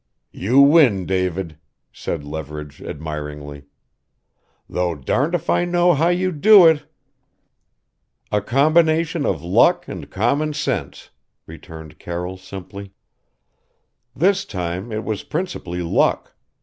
"You win, David," said Leverage admiringly. "Though darned if I know how you do it?" "A combination of luck and common sense," returned Carroll simply. "This time it was principally luck.